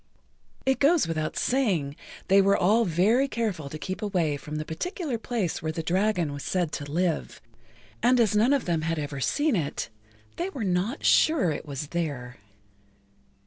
It goes without saying they were all very careful to keep away[Pg 12] from the particular place where the dragon was said to live, and as none of them had ever seen it, they were not sure it was there.